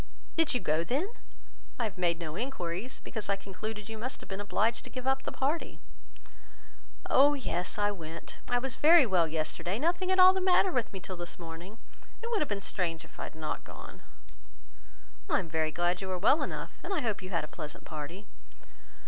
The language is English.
"Did you go then? I have made no enquiries, because I concluded you must have been obliged to give up the party." "Oh yes! I went. I was very well yesterday; nothing at all the matter with me till this morning. It would have been strange if I had not gone." "I am very glad you were well enough, and I hope you had a pleasant party."